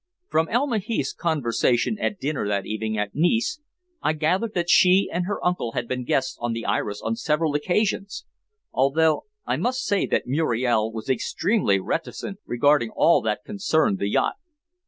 From Elma Heath's conversation at dinner that evening at Nice I gathered that she and her uncle had been guests on the Iris on several occasions, although I must say that Muriel was extremely reticent regarding all that concerned the yacht."